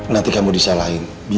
nanti kamu disalahin